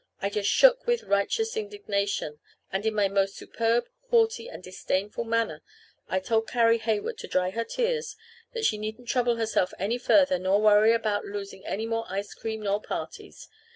I just shook with righteous indignation. And in my most superb, haughty, and disdainful manner I told Carrie Heywood to dry her tears; that she needn't trouble herself any further, nor worry about losing any more ice cream nor parties.